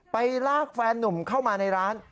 ลากแฟนนุ่มเข้ามาในร้าน